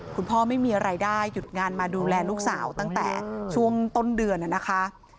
คุณพ่อไม่มีรายได้หยุดงานมาดูแลลูกสาวตั้งแต่ช่วงต้นเดือนนะคะ